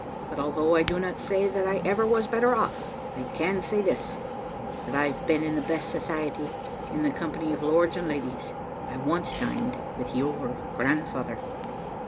But although I do not say that I ever was better off, I can say this, that I've been in the best society, in the company of lords and ladies. I once dined with your grandfather."